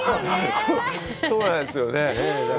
そうなんですよね。